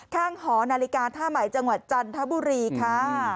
หอนาฬิกาท่าใหม่จังหวัดจันทบุรีค่ะ